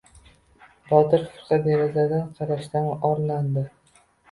Botir firqa derazadan qarashdan orlandi.